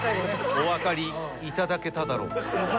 おわかりいただけただろうか。